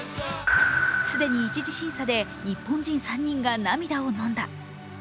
既に１次審査で、日本人３人が涙をのんだ。